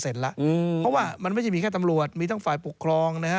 เพราะว่ามันไม่ใช่แค่แค่ตำรวจมีฟาคปกครองนะค่ะ